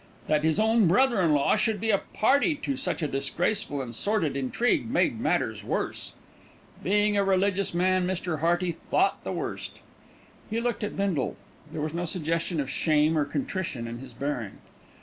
That his own brother in law should be a party to such a disgraceful and sordid intrigue made matters worse. Being a religious man Mr. Hearty thought the worst. He looked at Bindle. There was no suggestion of shame or contrition in his bearing.